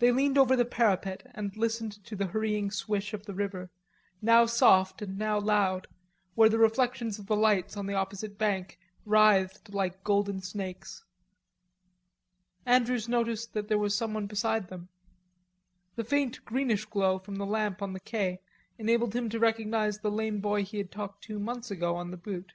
They leaned over the parapet and listened to the hurrying swish of the river, now soft and now loud, where the reflections of the lights on the opposite bank writhed like golden snakes. Andrews noticed that there was someone beside them. The faint, greenish glow from the lamp on the quai enabled him to recognize the lame boy he had talked to months ago on the Butte.